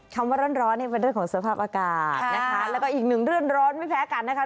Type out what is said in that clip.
คำว่าร้อนเนี่ยเป็นเรื่องของสภาพอากาศนะคะแล้วก็อีกหนึ่งเรื่องร้อนไม่แพ้กันนะคะ